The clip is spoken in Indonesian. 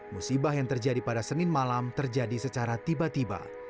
musibah yang terjadi pada senin malam terjadi secara tiba tiba